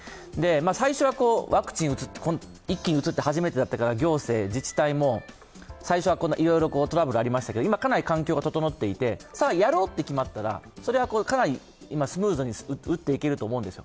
最初はワクチンを一気に打つのは初めてだったから行政、自治体も最初はいろいろトラブルがありましたけれども、今、かなり環境が整っていて、さぁ、やろうと決まったら、今、スムーズに打っていけると思うんですよ。